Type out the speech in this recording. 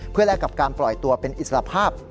เพื่อแลกกับการปล่อยตัวเป็นอิสระภาพ